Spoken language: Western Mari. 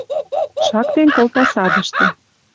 Шактен колта садышты, —